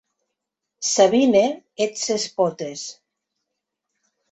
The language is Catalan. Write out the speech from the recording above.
Sabine et ses potes.